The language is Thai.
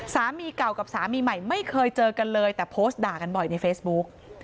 สามีเก่ากับสามีใหม่ไม่เคยเจอกันเลยแต่โพสต์ด่ากันบ่อยในเฟซบุ๊ก